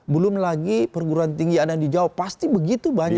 belum lagi perguruan tinggi yang ada di jawa pasti begitu banyak